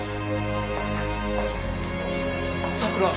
桜。